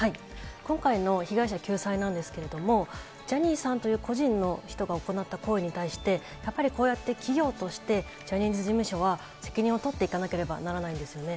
今回の被害者救済なんですけれども、ジャニーさんという故人の人が行った行為に対して、やっぱりこうやって企業として、ジャニーズ事務所は責任を取っていかなければならないんですよね。